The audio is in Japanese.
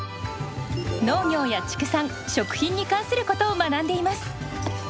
農業や畜産食品に関することを学んでいます。